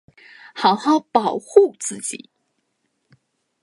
好好保护自己